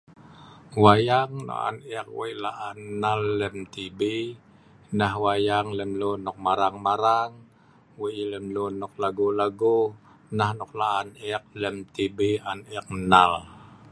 wayang nok on ek weik laan nal lem tv nah wayang lem lun nok marang marang weik yeh lem lun nok lagu lagu nah nok laan ek lem tv an ek nal